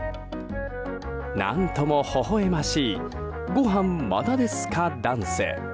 何とも、ほほ笑ましいごはんまだですかダンス。